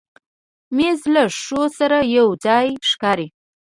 مېز له لوښو سره یو ځای ښکاري.